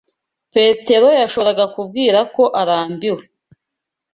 Petero yashoboraga kubwira ko arambiwe.